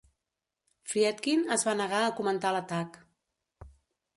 Friedkin es va negar a comentar l'atac.